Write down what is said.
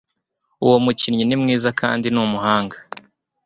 Uwo mukinnyi ni mwiza kandi ni umuhanga